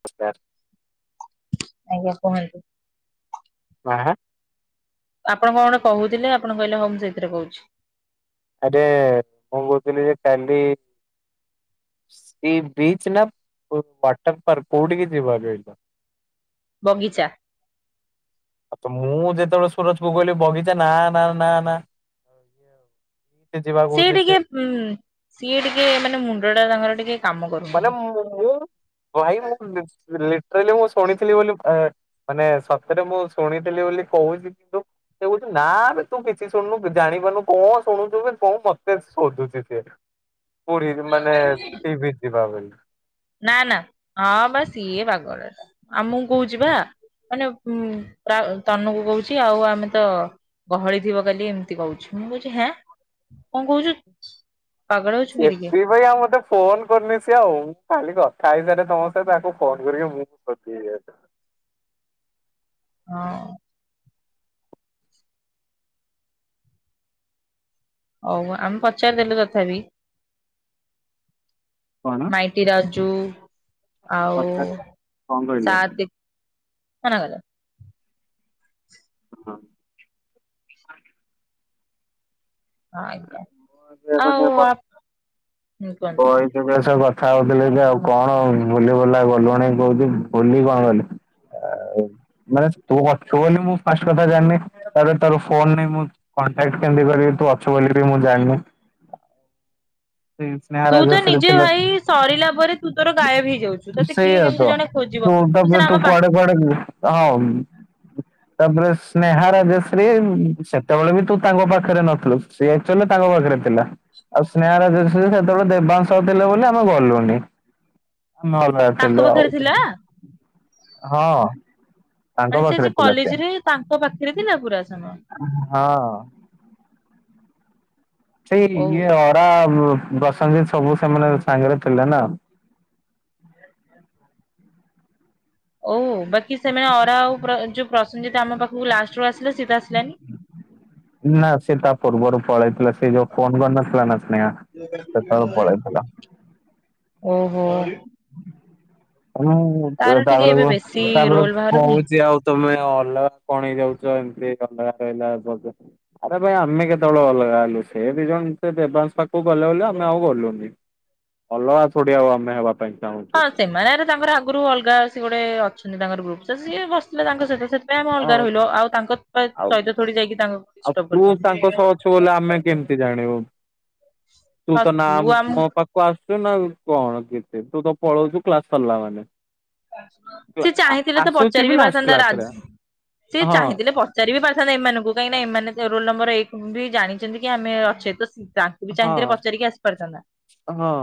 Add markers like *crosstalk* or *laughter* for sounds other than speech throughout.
ନମସ୍କାର। ଆଜ୍ଞା କୁହନ୍ତୁ? *unintelligible* ଆପଣ କଣ ଗୋଟେ କହୁଥିଲେ ଆପଣ କହିଲେ ହଉ ମୁ ସେଇଥିରେ କହୁଛି। ଆରେ କଣ କହୁଥିଲି ଯେ କାଲି ସି ବିଚ୍ ନା କୋଉ ୱାଟର ପାର୍କ କୋଉଠିିକ ଯିବା କହିଲ? ବଗିଚା। ଆଉ ତ ମୁଁ ଯେତେବେଳେ ସୁରଜକୁ କହିଲି ବଗିଚା ନା ନା ନା ନା। *inaudible* ଯିବା ସିଏ କହୁଛି ସେ ଟିକେ ଉଁ ସିଏ ଟିକେ ମାନେ ମୁଣ୍ଡ ଟା ତାଙ୍କର ଟିକେ କାମ ମାନେ କରୁନାହିଁ ମୁଁ ଭାଇ ମୁଁ ଲି ଲିଟ୍ରାଲି ମୁଁ ଶୁଣିଥିଲି ବୋଲି ଏଁ ମାନେ ସତରେ ମୁଁ ଶୁଣିଥିଲି ବୋଲି କହୁଚି କିନ୍ତୁ ସେ କହୁଚି ନା ବେ ତୁ କିଛି ଶୁଣୁନୁ ଜାଣି ପାରୁନୁ କଣ ଶୁଣୁଚୁ ବେ କଣ ମତେ ଶୋଧୁଚି ସିଏ। ପୁରୀ ମାନେ ସି ବିଚ୍ ଯିବା ବୋଲି। ନା ନା ହଁ ବା ସିଏ ପାଗଳ ଟା ଆମକୁ କହୁଚି ବା ମାନେ ଉଁ ତା ତନୁକୁ କହୁଚି ଆଉ ଆମେ ତ ଗହଳି ଥିବ କାଲି ଏମିତି କହୁଚି ମୁଁ କହୁଚି ହେଁ କଣ କହୁଚୁ? ସେଥିପାଇଁ ଆଉ ମତେ ଫୋନ କରିନି ସିଏ ଆଉ, ଖାଲି କଥା ହେଇସାରେ ତମ ସହିତ ତାକୁ ଫୋନ କରିକି ମୁଁ ଶୋଧିବି ଆଗ। ହଁ ହଉ ଆମେ ପଚାରିଦେଲୁ ତଥାପି କଣ ମାଇଟି ରାଜୁ ଆଉ ପଚାରିଲ କଣ କହିଲେ? ସାତେ ହଣାଗଲା ହଁ ହଁ ଆଜ୍ଞା *unintelligible* ଆଉ ଆ କଥା ହଉଥିଲେ କି ଆଉ କଣ ବୁଲି ବଲା ଗଲୁଣି କହୁଛି ବୁଲି କଣ ଗଲି ମାନେ ତୁ ଅଛୁ ବୋଲି ମୁଁ ଫାଷ୍ଟ କଥା ଜାଣିନି ତାପରେ ତୋର ଫୋନ ନାଇଁ ମୁଁ କଣ୍ଟାକ୍ଟ କେମିତି କରିବି ତୁ ଅଛୁ ବୋଲି ବି ମୁଁ ଜାଣିନି। ସେ ସ ତୁ ତ ନିଜେ ଭାଇ ସରିଲା ପରେ ତୁ ତୋର ଗାୟବ ହେଇଯାଉଛୁ। ତତେ କିଏ କିମିତି ଜଣେ ଖୋଜିବ। ତୋଟା ସିନା ତୁ ଆମ ପା କୁଆଡ଼େ କୁଆଡ଼େ ବୁ ହଁ ତାପରେ ସ୍ନେହା, ରାଜଶ୍ରୀ ସେତେବେଳେ ବି ତୁ ତାଙ୍କ ପାଖରେ ନଥିଲୁ। ସେଚୁଆଲି ତାଙ୍କ ପାଖରେ ଥିଲା। ଆଉ ସ୍ନେହା, ରାଜ ସେତେବେଳେ ଦେବାଂଶ ଥିଲେ ବୋଲି ଆମେ ଗଲୁନି ହଁ। ତାଙ୍କ ଥିଲୁ ଆଉ ପାଖରେ ଥିଲା ହଁ ତାଙ୍କ ମାନେ ସେ ପାଖରେ ସେ ଥିଲା କଲେଜରେ ତାଙ୍କ ପାଖରେ ବି *unintelligible* ହଁ ସେଇ ଓଉ ଇଏ ଅରା ବସଂଜିତ ସବୁ ସେମାନେ ସାଙ୍ଗରେ ଥିଲେ ନା। ଓ ବାକି ସେମାନେ ଅରା ଆଉ ଯୋଉ ପ୍ରସଂଜିତ ଆମ ପାଖକୁ ଲାଷ୍ଟରେ ଆସିଲେ ସିଏ ତ ଆସିଲାନି। ନା ସିଏ ତା ପୂର୍ବରୁ ପଳେଇଥିଲା ସେ ଯୋଉ ଫୋନ କରିନଥିଲା ନା ସ୍ନେହା ସେତେବେଳକୁ ପଳେଇଥିଲା। ଓ ହୋ ମୁଁ ଟିକେ ଏବେ ତାପରକୁ ବେଶୀ ତାପରେ ରୋଲ ବାହାରୁନି। କହୁଛି ଆଉ ତମେ ଅଲଗା କଣ ହେଇ ଯାଉଛ ଏମିତି ଅଲଗା ରହିଲା *unintelligible* ଆରେ ଭାଇ ଆମେ କେତେବେଳେ ଅଲଗା ହେଲୁ ସେ ଦିଜଣ ଯେତେ ଦେବାଂଶ ପାଖକୁ ଗଲେ ବୋଲି ଆମେ ଆଉ ଗଲୁନି। ଅଲଗା କୋଉଠି ଆଉ ଆମେ ହବା ପାଇଁ ଚାହୁଁଛୁ। ହଁ ସେମାନେ ରେ ତାଙ୍କର ଆଗରୁ ଅଲଗା ସେ ଗୋଟେ ଅଛନ୍ତି ତାଙ୍କର ଗ୍ରୁପ ସିଏ ବସିଥିଲେ ତାଙ୍କ ସହିତ ସେ ଆମେ ହଁ ଅଲଗା ରହିଲ ଆଉ ତାଙ୍କ ପାଇଁ ଆଉ ସହିତ ଥୋଡ଼ି ଯାଇକି ତାଙ୍କୁ ଡିଷ୍ଟର୍ବ କରିଥାନ୍ତୁ। ନହେଲେ ଆମେ କେମିତି ଜାଣିବୁ? ତୁ ଆଉ ତ ନା ଆମ ମୋ ପା ଆସୁଛୁ ନା କଣ କେତେ ତୁ ତ ପଳଉଛୁ କ୍ଲାସ ସରିଲା ମାନେ। କ୍ଲା- ସିଏ ଆ- ଚାହିଁଥିଲେ ତ ଆସୁଛି ପଚାରି ବି ଲାଷ୍ଟ ପାରିଥାନ୍ତା କ୍ଲାସ ରେ ରାଜ ସି ହଁ ଚାହିଁଥିଲେ ପଚାରିବି ପାରିଥାନ୍ତା ଏମାନଙ୍କୁ କାହିଁକି ନା ଏମାନେ ରୋଲ ନମ୍ବର ଏକ ବି ଜାଣିଛନ୍ତି କି ଆମେ ଅଛେ ତ ସେ ସେ ବି ହଁ ଚାହିଁଥିଲେ ପଚାରିକି ଆସି ପାରିଥାନ୍ତା। ହଁ।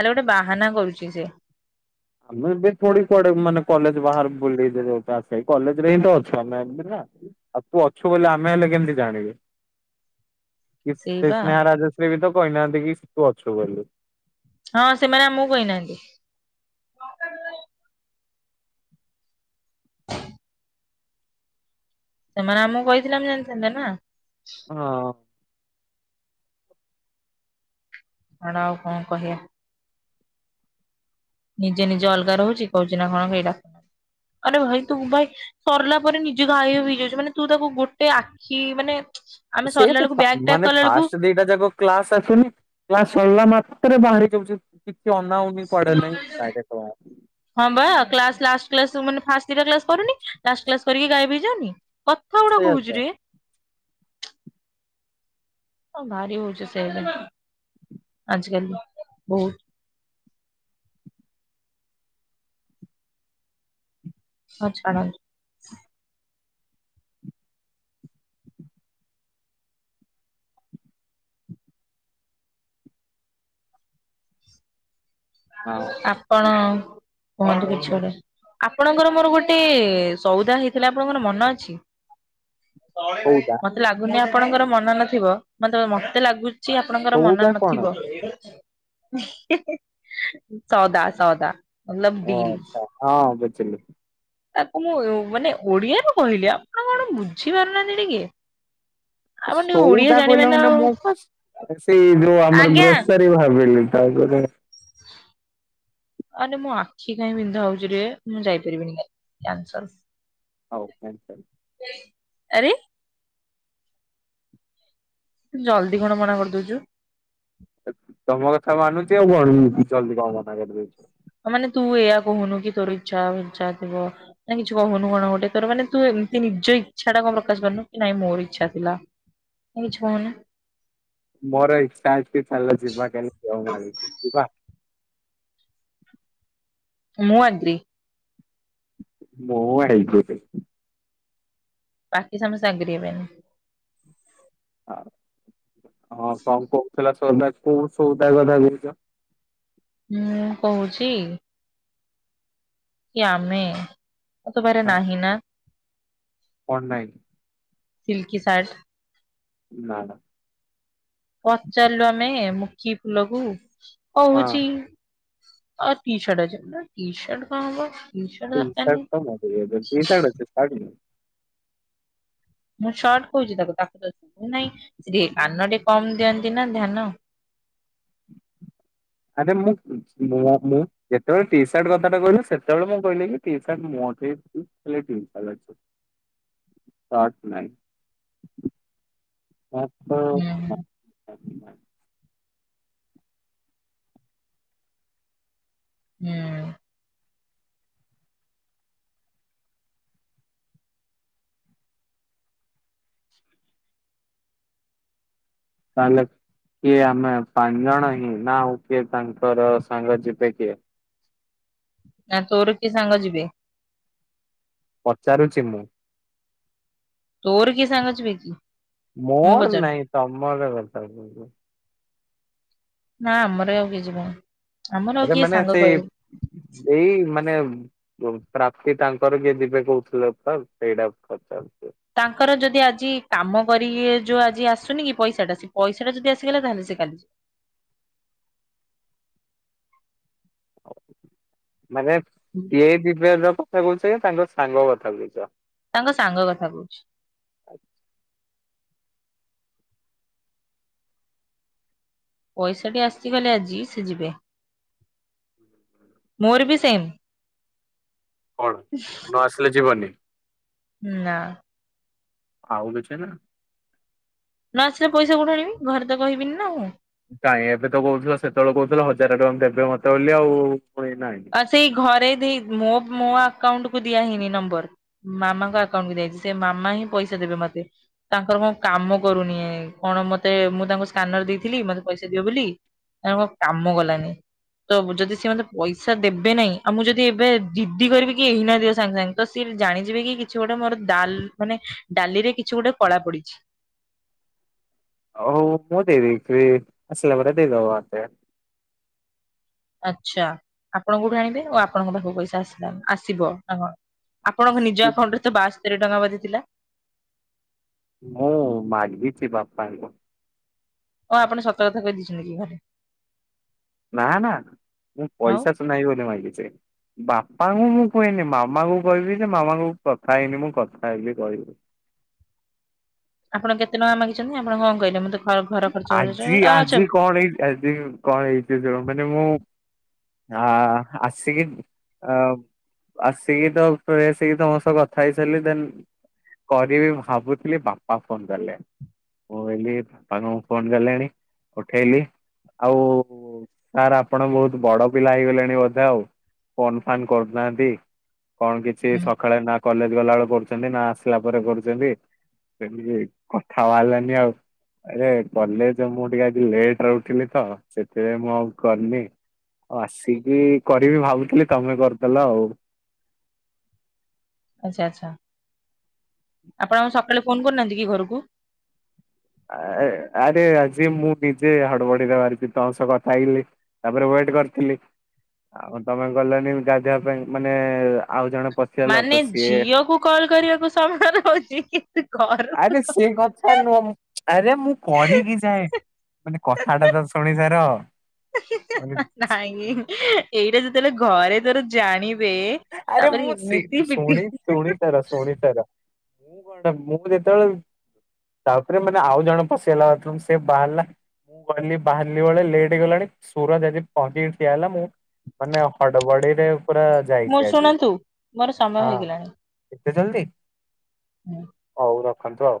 ହେଲେ ଗୋଟେ ବାହାନା କରୁଛି ସିଏ। ଆମେ ବି ଥୋଡ଼ି କୁଆଡ଼େ ମାନେ କଲେଜ ବାହରକୁ ବୁଲେଇତେ *unintelligible* କଲେଜରେ ହିଁ ତ ଅଛନ୍ତି। ଆଉ ତୁ ଅଛୁ ବୋଲି ଆମେ ହେଲେ କେମିତି ଜାଣିବେ? *inaudible* କି ସେ ସ୍ନେହା, ରାଜଶ୍ରୀ ବି ତ କହିନାହାନ୍ତି କି ତୁ ଅଛୁ ବୋଲି। ହଁ ସେମାନେ ଆମକୁ କହି ନାହାନ୍ତି। ସେମାନେ ଆମକୁ କହିଥିଲେ ଆମେ ଜାଣିଥାନ୍ତେ ନା। ହଁ ଛାଡ଼ ଆଉ କଣ କହିବା। ନିଜେ ନିଜେ ଅଲଗା ରହୁଛି କହୁଛି ନା କଣ ହେଇଟା ଆରେ ବିଟୁ ଭାଇ ସରିଲା ପରେ ନିଜେ ଗାୟଭ୍ ହେଇଯାଉଛି ମାନେ ତୁ ତାକୁ ଗୋଟେ ଆଖି ମାନେ ଆମେ ସେ ସରିଲା କୁ ବେଳକୁ ଫା ବ୍ୟାଗ ପ୍ୟାକ୍ ମାନେ କଲା ବେଳକୁ ଫାଷ୍ଟ ଦିଟା ଯାକ କ୍ଲାସ ଆସୁନି କ୍ଲାସ ସରିଲା ମାତ୍ରେ ବାହାରିଯାଉଛି କିଛି ଅନାଉନି। କୁଆଡେ ନାଇଁ ଲୋକାଲ୍ ଟୋକା। ଡାଇରେକ୍ଟ ବାହାର ହଁ ବା କ୍ଲାସ୍ ଲାଷ୍ଟ କ୍ଲାସ୍ ମାନେ ଫାଷ୍ଟ ଦିଟା କ୍ଲାସ୍ କରୁନି ଲାଷ୍ଟ କ୍ଲାସ୍ କରିକି ଗାୟଭ ହେଇଯାଉଚି। ସେଇଆ ହଁ ତ ଶୁଣୁ। ହଁ ଭାରି ହଉଛି ସେ ଆଚ୍ଛା ହଉ। ହଁଉ ଛାଡ଼। ହଁ ଆପଣ କୁହନ୍ତୁ କିଛି ଗୋଟେ, ଆପଣଙ୍କର ମୋର ଗୋଟେ ସଉଦା ହେଇଥିଲା ଆପଣଙ୍କର ମନ ଅଛି? ସଉଦା ମତେ ଲାଗୁନି ଆପଣଙ୍କର ମନେ ନଥିବ ତ ମତେ ଲାଗୁ ଛି ଆପଣଙ୍କର ମନେ ସଉଦା କଣ ନଥିବ। ସଅଦା ସଅଦା। ଓ ଆଚ୍ଛା ହଁ ବୁଝିଲି। ତାକୁ ମୁଁ ମାନେ ଓଡିଆରେ କହିଲି ଆପଣ କଣ ବୁଝିପାରୁନାହାନ୍ତି ଟିକିଏ। ସଉଦା କହିଲା ନା ମୋ ପା ସ ସେଇ ଯୋଉ ଆମର ଆଜ୍ଞା ଗ୍ରୋସରୀ ଭାବିଲି ତାପରେ ଆରେ ମୋ ଆଖି କାହିଁ ବିନ୍ଧା ହଉଛି ରେ ମୁଁ ଯାଇପାରିବିନି କାଲି କ୍ୟାନ୍ସଲସ। ହଉ କ୍ୟାନ୍ସସଲ। ଆରେ ଜଲଦି କଣ ମନା କରିଦଉଛୁ? ତମ କଥା ମାନୁଛି ଆଉ କଣ ମୁଁ ଚଲଦି କଣ ମନା କରିଦଉଛି ମ? ମାନେ ତୁ ଏୟା କହୁନୁ କି ତୋର ଇଚ୍ଛା ଇଚ୍ଛା ଥିବ। କାଇଁ କିଛି କହୁନୁ କଣ ଗୋଟେ ତୋର ମାନେ ତୁ ଏମିତି ନିଜ ଇଚ୍ଛା ଟା କଣ ପ୍ରକାଶ କରନୁ କି ନାଇ ମୋର ଇଚ୍ଛା ଥିଲା। କାଇଁ କିଛି କହୁନୁ? ମୋର ଇଚ୍ଛା ଅଛି ଚାଲ ଯିବା କାଲି ଦେଓମାଳୀ ଯିବା? ମୁଁ ଆଗ୍ରି। ମୁଁ ଆଡେଇ ଦେବି। ବାକି ସମସ୍ତେ ଆଗ୍ରି ହେବେନି। ଆ ହଁ କଣ କହୁଥିଲା ସଉଦା କୋଉ ସଉଦା କଥା କହୁଛ? ମୁଁ କହୁଛି? କି ଆମେ ତ ପାଖରେ ହଁ ନାହିଁ ନା। କଣ ନାଇଁ? Silky shirt. ନା ନା। ପଚାରିଲୁ ଆମେ ମୁକି ଫୁଲ କୁ ହଁ କହୁଚି। ଅ ଟି ଶାର୍ଟ ଅଛିି ନା ଟି ଶାର୍ଟ କଣ ହବ? ଟି ସାର୍ଟ ତ ମୋ ପାଖେ ହବ ଟି ସାର୍ଟ ଅଛି ସାର୍ଟ ନାହିଁ। ମୁଁ ସର୍ଟ କହୁଛି ତାକୁ ତାକୁ ତ ସୁବୁ ନାଇଁ ସେ ଟିକେ କାନ ଟିକେ କମ ଦିଅନ୍ତି ନା ଧ୍ୟାନ। ଆରେ ମୁଁଁ ମୋ ମୁଁ ଯେତେବେଳେ ଟି ସାର୍ଟ କଥାଟା କହିଲ ସେତେବେଳେ ମୁଁ କହିଲି କି ଟି ସାର୍ଟ ମୋ ଠେଇଁ ହେଲେ ଟିମ୍ପଲ ଅଛି। *inaudible* ସାର୍ଟ ନାହିଁ। ମାତ୍ର ହୁଁ ମା ମା *inaudible* ହୁଁ। ତାହେଲେ କିଏ ଆମେ ପାଞ୍ଚ ଜଣ ହିଁ ନା ହଉ କିଏ ତାଙ୍କର ସାଙ୍ଗ ଯିବେ କିଏ? ନା ତୋର କିଏ ସାଙ୍ଗ ଯିବେ? ପଚାରୁଛି ମୁଁ। ତୋର କିଏ ସାଙ୍ଗ ଯିବେ କି? ମୁଁ ମୋର ପଚାରୁଛି ନାଇଁ ତମର କଥା କ ନା ଆମର ଆଉ କିଏ ଯିବନି। ଆମର ଆଉ ଆରେ କିଏ ମାନେ ସାଙ୍ଗ ସେଇ କହିବୁ ଏଇ ମାନେ ପ୍ରାପ୍ତି ତାଙ୍କର କିଏ ଯିବେ କହୁଥିଲ ତ ସେଇଟା ପଚାରୁଛି। ତାଙ୍କର ଯଦି ଆଜି କାମ କରି ଯୋଉ ଆଜି ଆସୁନି କି ପଇସା ଟା ସେ ପଇସା ଟା ଯଦି ଆସିଗଲା ତାହେଲେ ସେ କାଲି ମାନେ ଯିବେ। ଏ ଦିବ *unintelligible* କଥା କହୁଛ ତାଙ୍କ ସାଙ୍ଗ କଥା କହୁଛ। ତାଙ୍କ ସାଙ୍ଗ କଥା କହୁଛି। ପଇସା ଟି ଆସି ଗଲେ ଆଜି ସେ ଯିବେ। ମୋର ବି ସେମ କଣ ନ ଆସିଲେ ଯିବନି। ନା। ଆଉ କିଛି ନା ନ ଆସିଲେ ପଇସା କୋଠୁ ଆଣିବି ଘରେ ତ କହିବିନି ନା ମୁଁ। ନାଇଁ ଏବେ ତ କହୁଥିଲ ସେତେବେଳେ କହୁଥିଲ ହଜାର ଟଙ୍କା ଦେବେ ମତେ ବୋଲି ପୁଣି ନାହିଁ। ଆ ସେଇ ଘରେ ମୋ ମୋ ଆକାଉଣ୍ଟ କୁ ଦିଆ ହେଇନି ନମ୍ବର। ମାମାଙ୍କ ଆକାଉଣ୍ଟକୁ ଯାଇଛି ସେ ମାମା ହିଁ ପଇସା ଦେବେ ମତେ। ତାଙ୍କର କଣ କାମ କରୁନି କଣ ମତେ ମୁଁ ତାଙ୍କୁ ସ୍କାନର ଦେଇଥିଲି ମତେ ପଇସା ଦିଅ ବୋଲି। ତା କାମ ଗଲାନି ତ ଯଦି ସେ ମତେ ପଇସା ଇସା ଦେବେ ନାଇଁ ଆଉ ମୁଁ ଯଦି ଏବେ ଜିଦି କରିବି କି ଏଇନା ଦିଅ ସାଙ୍ଗେ ସାଙ୍ଗେ ତ ସିଏ ଜାଣିଯିବେ କି କିଛି ଗୋଟେ ମୋର ଡା ମାନେ ଡାଲି ରେ ଗୋଟେ କଳା ପଡିଛି ଆଉ କୁହ ହଉ ମୁଁ ଦେଇେ ଦେଖ ଆସିଲ ବରା ଦେ ଗ ଆଚ୍ଛା ଆପଣ କୋଉଠି ଆଣିବେ ଆ ଆପଣଙ୍କ ପାଖକୁ ପଇସା ଆସିଲ ଆସିବ ନା କଣ? ଆପଣଙ୍କ ନିଜ ଆକାଉଣ୍ଟ ରେ ତ ବାସ୍ତରି ଟଙ୍କା ବାଧ ଥିଲା। ହଁ ମାାଗିଛି ବାପା ଙ୍କୁ। ହଁ ଆପଣ ସତ କଥା କହିଦେଇଛନ୍ତି କି ଘରେ। ନା ନା ମୁଁ ଆଉ ପଇସାଚ ନା ବୋଲି ମାଗଛି। ବାପାଙ୍କୁ ମୁଁ କହନି ମାମାଙ୍କୁ କହିବି ଯେ ମାମାଙ୍କୁ କଥା ହେଇନି ମୁଁ କଥା ହେବି କହିବି। ଆପଣ କେତେ ଟଙ୍କା ମାଗିଛନ୍ତି ଆପଣ କଣ କହିଲେ ମତେ ଘର ଆଜି ଖର୍ଚ୍ଚ ଆଛା ଆଜି କଣ ହେଇ ଆଜି କଣ ହେଇଛି ଶୁଣ ମାନେ ମୁଁ ହ ଆସିକି ଅ ଆସିକି ତ ଫ ଆସିକି ତମ ସହ କଥା ହେଇସାରିଲି ଦେନ୍ କରିବି ଭାବୁଥିଲି ବାପା ଫୋନ କଲେ ମୁଁ ବୋଲି ବାପାଙ୍କୁ ଫୋନ କଲେଣି ଉଠେଇଲି ଆଉ ସାର୍ ଆପଣ ବହୁତ ବଡ ପିଲା ହେଇଗଲେଣି ବୋଧେ ଆଉ ଫୋନ ଫନ୍ କରୁନାହାନ୍ତି। କଣ କିଛି ହୁଁ ସକାଳେ ନା କଲେଜ ଗଲାବେେଳେ କରୁଛନ୍ତି ନା ଆସିଲା ପରେ କରୁଛନ୍ତି ସେମିତି କଥା ବାହାରିଲାନି ଆଉ ଆରେ କଲେଜ ମୁଁ ଟିକେ ଆଜି ଲେଟ ରେ ଉଠିଲି ତ ସେଥିପାଇଁ ମୁଁ ଆଉ କରିନି ଉ ଆସିକି କରିବି ଭାବୁଥିଲି ତମେ କରିଦଲ ଆଉ। ଆଚ୍ଛା ଆଛା ଆପଣ ସକାଳେ ଫୋନ କରୁନାହାନ୍ତି କି ଘରକୁ। ଆ ଆରେ ଆଜି ମୁଁ ନିଜେ ହଡବଡିରେ ବାରିଛି ତମ ସହ କଥା ହେଇଲି। ତାପରେ ୱେଟ କରିଥିଲି ଆଉ ତମେ ଗଲଣିି ଗାଧେବା ପାଇଁ ମାନେ ଆଉ ଜଣେ ପଶିଗଲା ମାନେ ତ ସିଏ ଝିଅକୁ କଲ କରିବାକୁ ସମୟ ରହୁଛି କିନ୍ତୁ ଘର ଆରେ ସେଇ କଥା ସାର୍ ନୁହଁ ଆରେ ମୁଁ କରିକି ଯାଏଁ ମାନେ କଥାଟା ତ ଶୁଣି ସାର *unintelligible* ନାଇଁ ଏଇଟା ଯେତେବେଳେ ଘରେ ତୋର ଜାଣିବେ ଆରେ ତାପରେ ମୁଁ ଶି ଏମିତି ପିଟି ଶୁଣି ଶୁଣି ସାର ଶୁଣ ସାର ମୁଁ କଣ୍ଟା ମୁଁ ଯେ ତେବେଳେ ବି ତାପରେ ମାନେ ଆଉ ଜଣେ ପଶିଗଲା ବାଥ୍ ରୁମ୍ ସେ ବାହାରିଲା କହଲି ବାହାରିଲି ବେଳେ ଲେଟ୍ ହେଇଗଲାଣି ସୁରତ ଯଦି ପହଞ୍ଚିକି ଠିଆ ହେଲା ମୁଁ ମାନେ ହଡବଡିରେ ପୁରା ଯାଇଚି। ମୋ ଶୁଣନ୍ତୁ ମୋର ସମୟ ହେଇଗଲାଣି। ଏତେ ଜଲ୍ଦି। ହୁଁ ହଉ ରଖନ୍ତୁ ଆଉ।